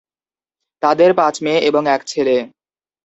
তাদের পাঁচ মেয়ে এবং এক ছেলে।